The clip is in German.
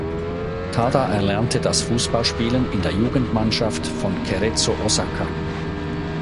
Tada erlernte das Fußballspielen in der Jugendmannschaft von Cerezo Osaka.